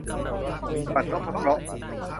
บัตรนพเคราะห์